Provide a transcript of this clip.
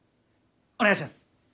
お願いします！